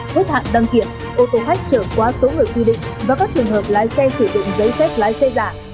hết hạn đăng kiểm ô tô khách trở quá số người quy định và các trường hợp lái xe sử dụng giấy phép lái xe giả